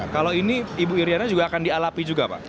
kalau ini ibu iryana juga akan dialapi juga pak